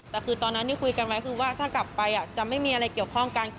แต่คือตอนนั้นที่คุยกันไว้คือว่าถ้ากลับไปจะไม่มีอะไรเกี่ยวข้องกัน